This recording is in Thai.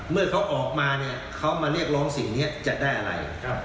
เมื่อเขาออกมาเนี่ยเขามาเรียกร้องสิ่งนี้จะได้อะไร